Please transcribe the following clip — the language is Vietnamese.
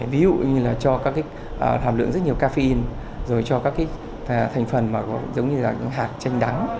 ví dụ như là cho các hàm lượng rất nhiều caffeine rồi cho các thành phần giống như hạt chanh đắng